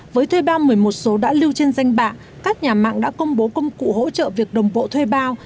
với thuê bao một mươi một số đã lưu trên danh bạ các nhà mạng đã công bố công cụ hỗ trợ việc đồng bộ thuê bao